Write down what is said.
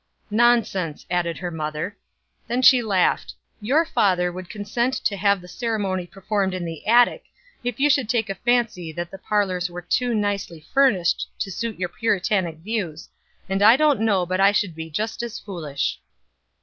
"Nonsense!" added her mother. Then she laughed. "Your father would consent to have the ceremony performed in the attic if you should take a fancy that the parlors are too nicely furnished to suit your puritanic views and I don't know but I should be just as foolish."